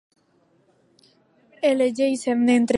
Elegeixen d'entre ells mateixos un president i dos vicepresidents.